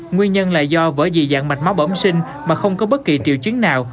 nguyên nhân là do vỡ dị dạng mạch máu bẩm sinh mà không có bất kỳ triều chứng nào